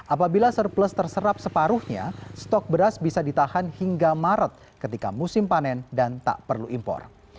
apabila surplus terserap separuhnya stok beras bisa ditahan hingga maret ketika musim panen dan tak perlu impor